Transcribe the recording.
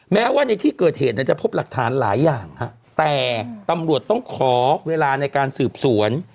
แม้ว่าในที่เกิดเหตุเนี่ยจะพบหลักฐานหลายอย่างฮะแต่ตำรวจต้องขอเวลาในการสืบสวน